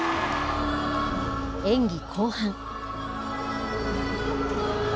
演技後半。